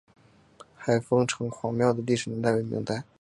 海丰城隍庙的历史年代为明代。